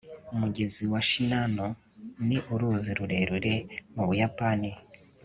umugezi wa shinano ni uruzi rurerure mu buyapani